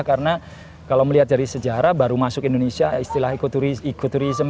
karena kalau melihat dari sejarah baru masuk indonesia istilah ekoturism